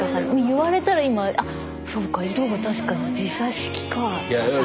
言われたら今あっそうか色が確かに時差式かとかさ。